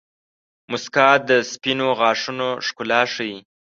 • مسکا د سپینو غاښونو ښکلا ښيي.